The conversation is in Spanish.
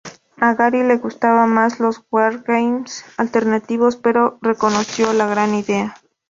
A Gary le gustaban más los wargames alternativos, pero reconoció la gran idea.